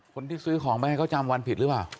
คนที่ซื้อของไปให้เขาจำวันผิดหรือเปล่า